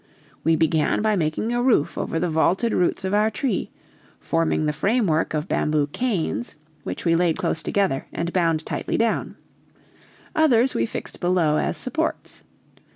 We began by making a roof over the vaulted roots of our tree, forming the framework of bamboo canes, which we laid close together and bound tightly down; others we fixed below as supports.